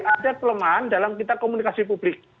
ada kelemahan dalam kita komunikasi publik